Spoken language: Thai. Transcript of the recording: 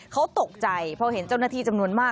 เขาตกใจพอเห็นเจ้าหน้าที่จำนวนมาก